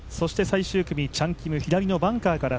最終組、チャン・キム、左のバンカーから。